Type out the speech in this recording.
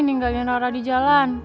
ninggalin rara di jalan